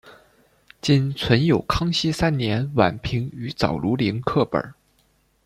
今存有康熙三年宛平于藻庐陵刻本。